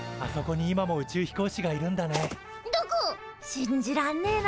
信じらんねえな！